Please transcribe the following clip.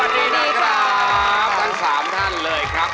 ทั้ง๓ท่านเลยครับ